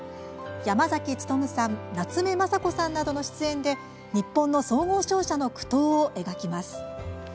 山崎努さん、夏目雅子さんなどの出演で日本の総合商社の苦闘を描きます。